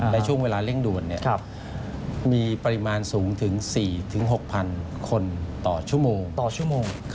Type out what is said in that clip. และช่วงเวลาเร่งด่วนเนี่ยมีปริมาณสูงถึง๔๖๐๐๐คนต่อชั่วโมง